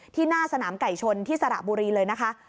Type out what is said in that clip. หน้าสนามไก่ชนที่สระบุรีเลยนะคะ